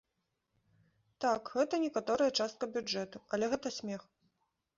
Так, гэта некаторая частка бюджэту, але гэта смех.